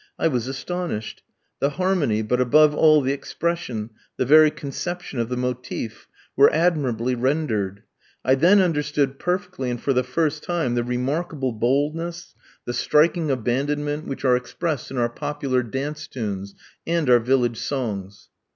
I was astonished. The harmony, but, above all, the expression, the very conception of the motive, were admirably rendered. I then understood perfectly, and for the first time, the remarkable boldness, the striking abandonment, which are expressed in our popular dance tunes, and our village songs.